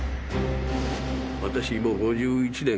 私もう５１年